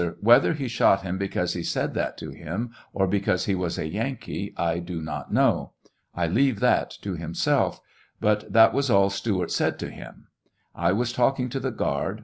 Whether he shot him because he said that to him, or because he was a Yankee, I do not know. I leave that to himself; but that was all Stewart said to him. j ,yas talking to the guard.